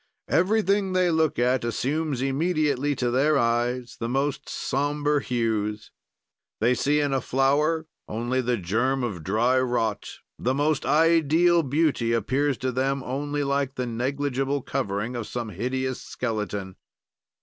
"Everything they look at assumes immediately to their eyes the most somber hues. "They see in a flower only the germ of dry rot; the most ideal beauty appears to them only like the negligible covering of some hideous skeleton.